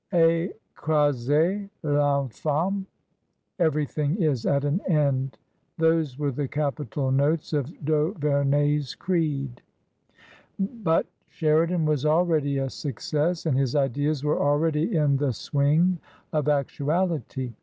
"'Ecrasez Tlnfame!' 'Everything is at an end!'"^ those were the capital notes of d'Auvemey's creed. But Sheridan was already a success, and his ideas were already in the swing of actuality.